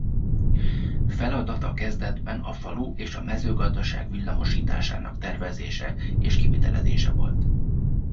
Feladata kezdetben a falu és a mezőgazdaság villamosításának tervezése és kivitelezése volt.